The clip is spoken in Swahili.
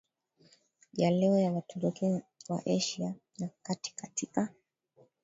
ya leo na Waturuki wa Asia ya Kati Katika